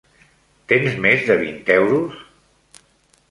Tens més de vint euros?